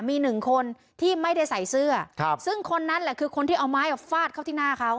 มีหนึ่งคนที่ไม่ได้ใส่เสื้อซึ่งคนนั้นแหละคือคนที่เอาไม้ฟาดเข้าที่หน้าเขา